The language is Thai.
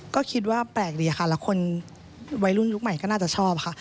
ก็คิดว่าแปลกดีค่ะแล้วคนวัยรุ่นยุคใหม่ก็น่าจะชอบค่ะ